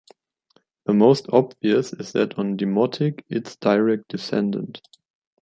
The most obvious is that on Demotic, its direct descendant.